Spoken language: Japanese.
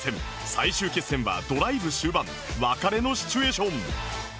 最終決戦はドライブ終盤別れのシチュエーション